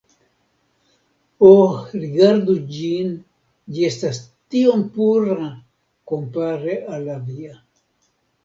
Oh rigardu ĝin ĝi estas tiom pura kompare al la via